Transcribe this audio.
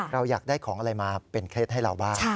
เราอยากได้ของอะไรมาเป็นเคล็ดให้เราบ้าง